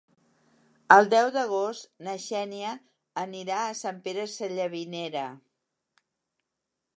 El deu d'agost na Xènia anirà a Sant Pere Sallavinera.